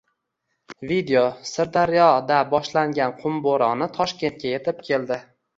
Video: Sirdaryoda boshlangan qum bo‘roni Toshkentga yetib keldi